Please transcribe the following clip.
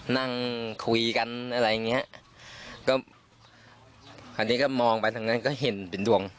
นั่งคุยกันอะไรอย่างเงี้ยก็คราวนี้ก็มองไปทางนั้นก็เห็นเป็นดวง